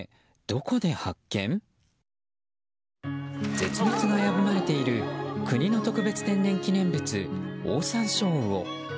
絶滅が危ぶまれている国の特別天然記念物オオサンショウウオ。